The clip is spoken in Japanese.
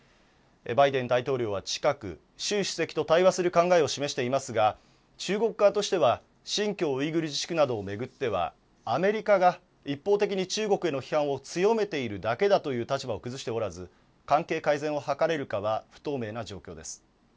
バイデン大統領は近く習主席と対話する考えを示していますが中国側としては新疆ウイグル自治区などを巡ってはアメリカが一方的に中国への批判を強めているだけだという立場を崩しておらず関係改善を図れるかは不透明な状況です。